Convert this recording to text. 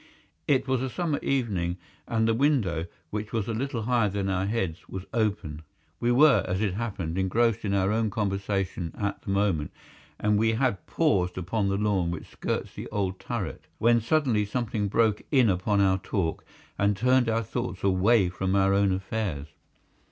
It was a summer evening, and the window, which was a little higher than our heads, was open. We were, as it happened, engrossed in our own conversation at the moment and we had paused upon the lawn which skirts the old turret, when suddenly something broke in upon our talk and turned our thoughts away from our own affairs.